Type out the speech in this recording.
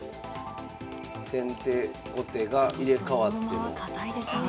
先手後手が入れ代わっても。